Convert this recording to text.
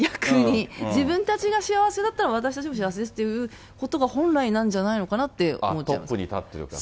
自分たちが幸せだったら、私たちも幸せですっていうことが本来なんじゃないのかなって思っちゃいトップに立ってる方は。